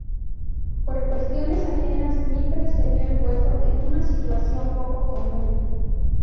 Por cuestiones ajenas Mitre se vio envuelto en una situación poco común.